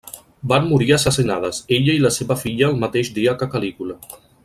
Van morir assassinades, ella i la seva filla el mateix dia que Calígula.